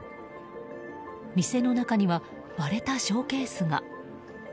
店の中には割れたショーケースが。